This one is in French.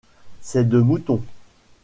C’est de Mouton…